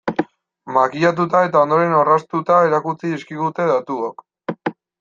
Makillatuta eta ondo orraztuta erakutsi dizkigute datuok.